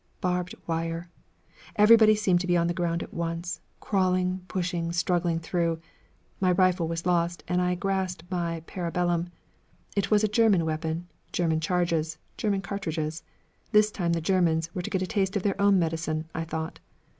Barbed wire! Everybody seemed to be on the ground at once, crawling, pushing, struggling through. My rifle was lost and I grasped my parabellum. It was a German weapon, German charges, German cartridges. This time the Germans were to get a taste of their own medicine, I thought.